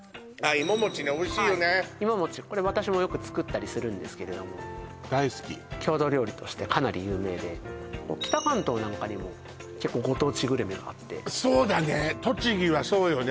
いももちねおいしいよねはいいももちこれ私もよく作ったりするんですけれども大好き郷土料理としてかなり有名で北関東なんかにも結構ご当地グルメがあってそうだね栃木はそうよね